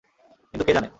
কিন্তু কে জানে?